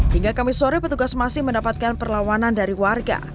hingga kamis sore petugas masih mendapatkan perlawanan dari warga